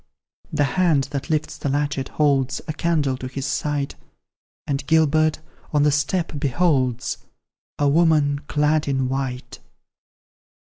The hand that lifts the latchet, holds A candle to his sight, And Gilbert, on the step, beholds A woman, clad in white.